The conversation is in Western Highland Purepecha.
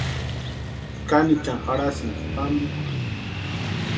¿Kánichani jarhasïnki pámpikwa?